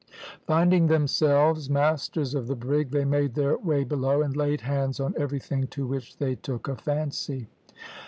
Finding themselves masters of the brig, they made their way below, and laid hands on everything to which they took a fancy.